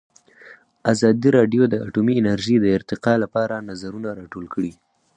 ازادي راډیو د اټومي انرژي د ارتقا لپاره نظرونه راټول کړي.